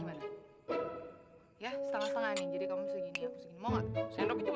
ya setengah setengah nih jadi kamu segini mau nggak